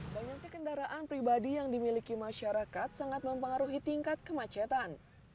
banyaknya kendaraan pribadi yang dimiliki masyarakat sangat mempengaruhi tingkat kemacetan